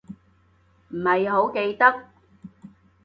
唔係好記得